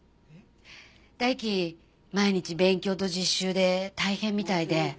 大樹毎日勉強と実習で大変みたいで。